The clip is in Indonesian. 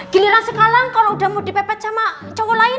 giliran sekalang kalo udah mau dipepet sama cowok lain